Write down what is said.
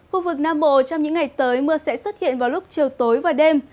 khu vực nam bộ trong những ngày tới mưa sẽ xuất hiện vào lúc chiều tối và đêm